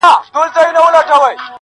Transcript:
هر سړي ته خپله ورځ او قسمت ګوري!